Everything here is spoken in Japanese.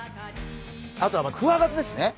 あとはまあクワガタですね。